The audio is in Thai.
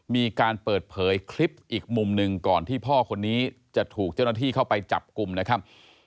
มีการเปิดเผยคลิปอีกมุมหนึ่งก่อนที่พ่อคนนี้จะถูกเจ้าหน้าที่เข้าไปจับกลุ่มนะครับ